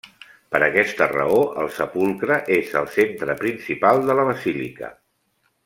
Per aquesta raó el sepulcre és el centre principal de la basílica.